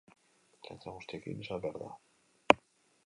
Letra guztiekin esan behar da.